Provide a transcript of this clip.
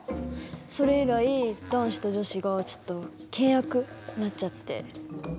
それ以来男子と女子がちょっと険悪になっちゃって。